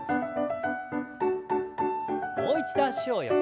もう一度脚を横に。